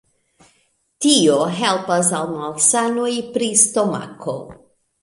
Tio helpas al malsanoj pri stomako.